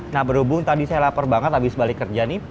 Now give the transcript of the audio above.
nah berhubung tadi saya lapor banget abis balik kerja nih